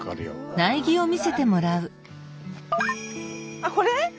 あっこれ？